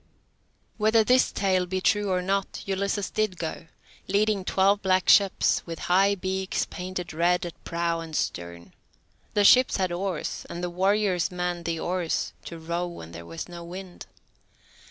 Whether this tale be true or not, Ulysses did go, leading twelve black ships, with high beaks painted red at prow and stern. The ships had oars, and the warriors manned the oars, to row when there was no wind.